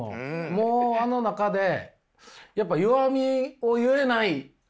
もうあの中でやっぱ弱みを言えないっていう。